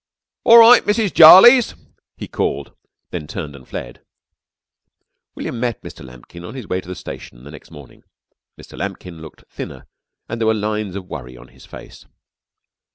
"All right, Mrs. Jarley's!" he called, then turned and fled. William met Mr. Lambkin on his way to the station the next morning. Mr. Lambkin looked thinner and there were lines of worry on his face.